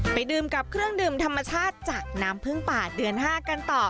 ดื่มกับเครื่องดื่มธรรมชาติจากน้ำพึ่งป่าเดือน๕กันต่อ